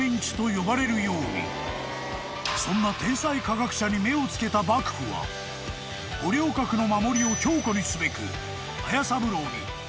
［そんな天才科学者に目を付けた幕府は五稜郭の守りを強固にすべく斐三郎にあるものを設計させた］